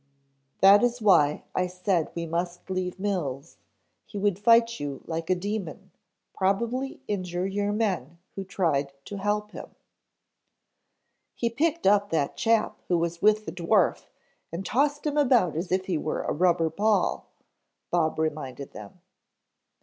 "That is why I said we must leave Mills. He would fight you like a demon, probably injure your men who tried to help him " "He picked up that chap who was with the dwarf and tossed him about as if he were a rubber ball," Bob reminded them.